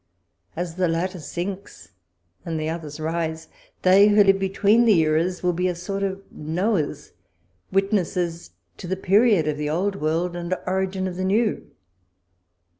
As the latter sinks, and the others rise, they who live between the eras will be a soi"t of Xoahs, witnesses to the period of the old world and origin of the new.